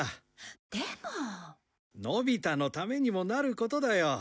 のび太のためにもなることだよ。